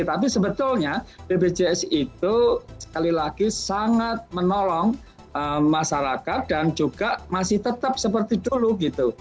tapi sebetulnya bpjs itu sekali lagi sangat menolong masyarakat dan juga masih tetap seperti dulu gitu